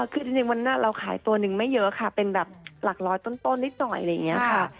คือจริงวันนั้นเราขายตัวหนึ่งไม่เยอะค่ะเป็นแบบหลักร้อยต้นนิดหน่อยอะไรอย่างนี้ค่ะ